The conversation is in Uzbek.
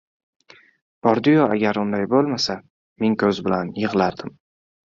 Bordi-yu agar unday bo‘lmasa, ming ko‘z bilan yig‘lardim.